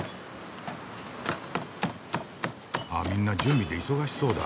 あみんな準備で忙しそうだ。